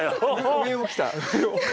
上を来た。